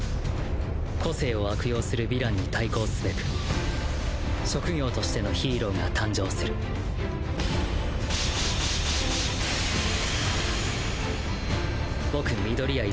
個性を悪用するヴィランに対抗すべく職業としてのヒーローが誕生する僕緑谷